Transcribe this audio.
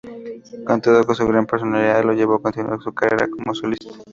Con todo, su gran personalidad lo llevó a continuar su carrera como solista.